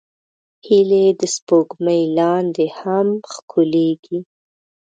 هیلۍ د سپوږمۍ لاندې هم ښکليږي